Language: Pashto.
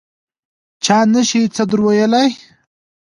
چا نه شي څه در ویلای.